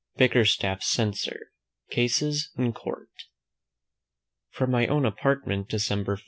BICKERSTAFF CENSOR: CASES IN COURT. From my own Apartment, December 5.